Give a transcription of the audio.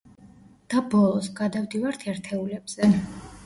და ბოლოს, გადავდივართ ერთეულებზე.